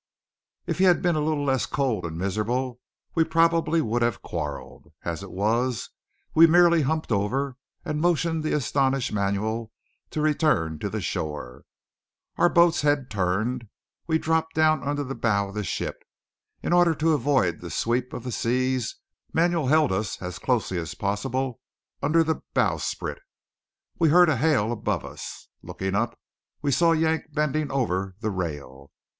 If he had been a little less cold and miserable we probably would have quarrelled. As it was, we merely humped over, and motioned the astonished Manuel to return to the shore. Our boat's head turned, we dropped down under the bow of the ship. In order to avoid the sweep of the seas Manuel held us as closely as possible under the bowsprit. We heard a hail above us. Looking up we saw Yank bending over the rail.